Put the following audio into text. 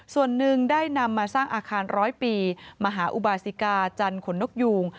ส่วนหนึ่งได้นำมาสร้างอาคารร้อยปีมหาอุบาสิกาจันทนนกยูง